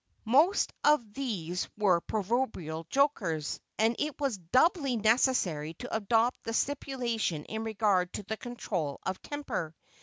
Most of these were proverbial jokers, and it was doubly necessary to adopt the stipulation in regard to the control of temper.